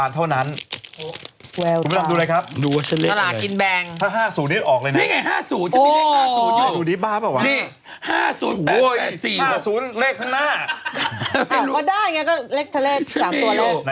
มานี่ได้รับแจกมานะ